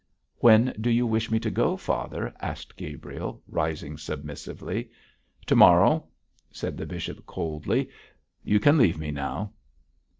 'When do you wish me to go, father?' asked Gabriel, rising submissively. 'To morrow,' said the bishop, coldly. 'You can leave me now.'